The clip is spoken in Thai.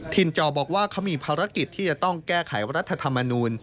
จอบอกว่าเขามีภารกิจที่จะต้องแก้ไขรัฐธรรมนูล